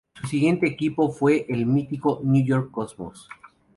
Su siguiente equipo fue el mítico New York Cosmos.